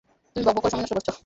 তুমি বকবক করে সময় নষ্ট করছো।